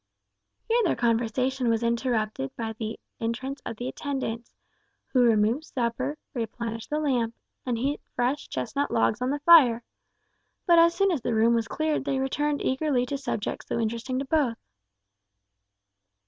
Here their conversation was interrupted by the entrance of the attendants, who removed supper, replenished the lamp, and heaped fresh chestnut logs on the fire. But as soon as the room was cleared they returned eagerly to subjects so interesting to both.